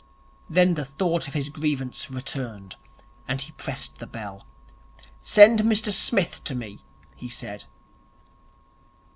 Then the thought of his grievance returned, and he pressed the bell. 'Send Mr Smith to me,' he said.